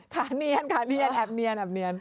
ขาเนียนแอบเนียน